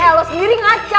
eh lo sendiri ngaca